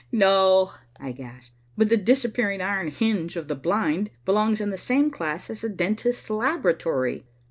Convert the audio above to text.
No!" I gasped. "But the disappearing iron hinge of the blind belongs in the same class as the dentist's laboratory.